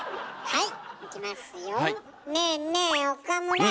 はい。